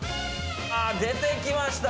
出てきました。